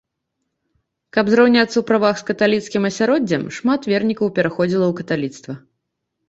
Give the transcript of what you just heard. Каб зраўняцца ў правах з каталіцкім асяроддзем, шмат вернікаў пераходзілі ў каталіцтва.